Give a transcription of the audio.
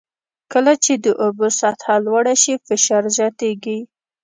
کله چې د اوبو سطحه لوړه شي فشار زیاتېږي.